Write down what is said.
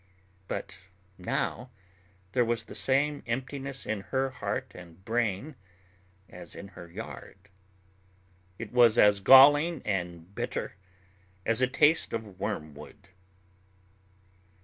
But now there was the same emptiness in her heart and brain as in her yard. It was as galling and bitter as a taste of wormwood.